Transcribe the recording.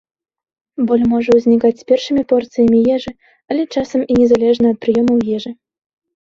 Боль можа ўзнікаць з першымі порцыямі ежы, але часам і незалежна ад прыёмаў ежы.